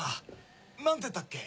何てったっけ？